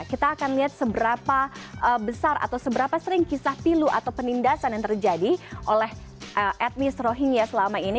kita akan lihat seberapa besar atau seberapa sering kisah pilu atau penindasan yang terjadi oleh etnis rohingya selama ini